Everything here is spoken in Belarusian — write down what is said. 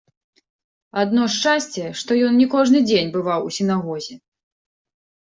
Адно шчасце, што ён не кожны дзень бываў у сінагозе.